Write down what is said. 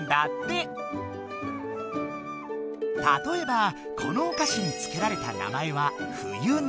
たとえばこのお菓子につけられた名前は「冬菜」。